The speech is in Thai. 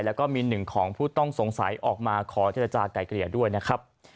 แล้วก็มีหนึ่งของผู้ต้องสงสัยออกมาขอเจรจาก่ายเกลี่ยด้วยนะครับ